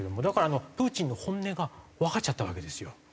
だからプーチンの本音がわかっちゃったわけですよ。